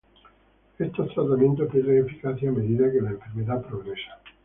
Estos tratamientos pierden eficacia a medida que la enfermedad progresa.